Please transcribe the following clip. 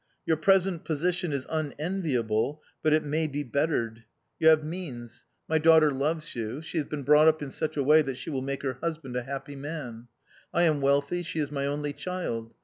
Your present position is unenviable, but it may be bettered: you have means; my daughter loves you; she has been brought up in such a way that she will make her husband a happy man. I am wealthy, she is my only child...